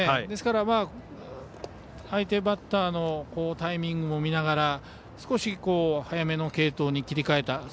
ですから、相手バッターのタイミングを見ながら少し早めの継投に切り替えた。